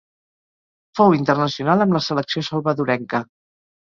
Fou internacional amb la selecció salvadorenca.